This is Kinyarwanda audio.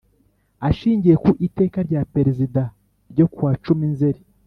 Ashingiye ku Iteka rya Perezida ryo kuwa cumi nzeri